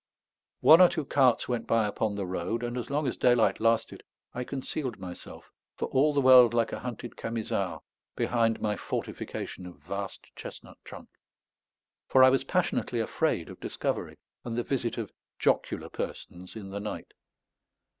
One or two carts went by upon the road; and as long as daylight lasted I concealed myself, for all the world like a hunted Camisard, behind my fortification of vast chestnut trunk; for I was passionately afraid of discovery and the visit of jocular persons in the night.